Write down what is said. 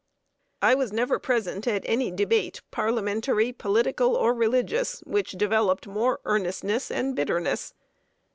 I was never present at any debate, parliamentary, political, or religious, which developed more earnestness and bitterness.